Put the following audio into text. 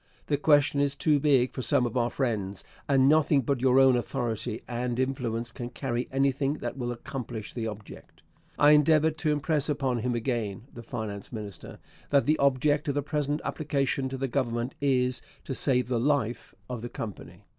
The question is too big for some of our friends, and nothing but your own authority and influence can carry anything that will accomplish the object.... I endeavoured to impress upon him again [the finance minister] that the object of the present application to the Government is to save the life of the Company....